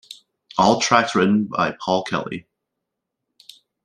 All tracks written by Paul Kelly.